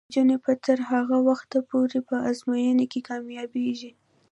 نجونې به تر هغه وخته پورې په ازموینو کې کامیابیږي.